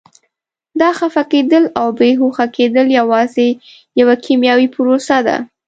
دا خفه کېدل او بې هوښه کېدل یوازې یوه کیمیاوي پروسه ده.